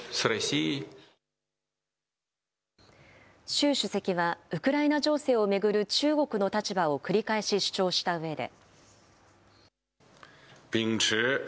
習主席は、ウクライナ情勢を巡る中国の立場を繰り返し主張したうえで。